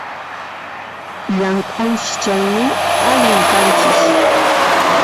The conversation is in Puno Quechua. Llamk'anchis chaymi, allin kanchis